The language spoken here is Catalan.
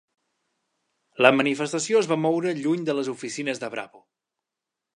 La manifestació es va moure lluny de les oficines de Bravo